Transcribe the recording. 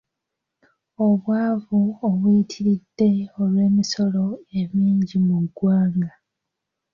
Obwavu obuyitiridde olw’emisolo emingi mu ggwanga.